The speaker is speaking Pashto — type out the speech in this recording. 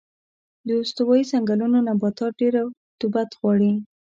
د استوایي ځنګلونو نباتات ډېر رطوبت غواړي.